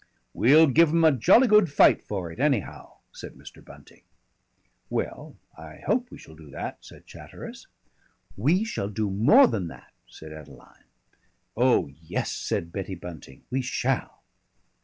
"We'll give 'em a jolly good fight for it, anyhow," said Mr. Bunting. "Well, I hope we shall do that," said Chatteris. "We shall do more than that," said Adeline. "Oh, yes!" said Betty Bunting, "we shall."